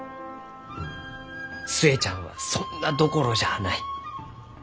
寿恵ちゃんはそんなどころじゃあない。